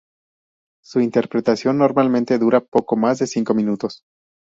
Su interpretación normalmente dura poco más de cinco minutos.